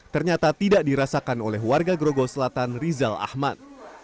ternyata tidak dirasakan oleh warga grogol selatan rizal ahmad